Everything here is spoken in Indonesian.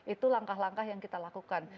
itu langkah langkah yang kita lakukan